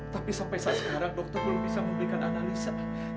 tapi sampai saat sekarang dokter belum bisa memberikan analisa